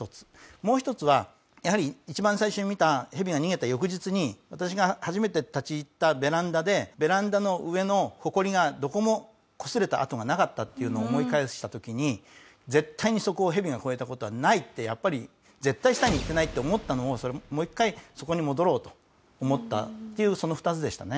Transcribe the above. もう１つはやはり一番最初に見たヘビが逃げた翌日に私が初めて立ち入ったベランダでベランダの上の埃がどこもこすれた跡がなかったっていうのを思い返した時に絶対にそこをヘビが越えた事はないってやっぱり絶対下に行ってないって思ったのをもう１回そこに戻ろうと思ったっていうその２つでしたね。